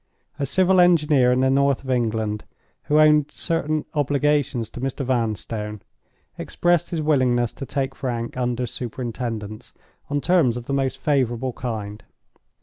A civil engineer in the north of England, who owed certain obligations to Mr. Vanstone, expressed his willingness to take Frank under superintendence, on terms of the most favorable kind.